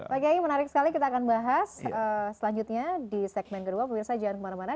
pak kiai menarik sekali kita akan bahas selanjutnya di segmen kedua pemirsa jangan kemana mana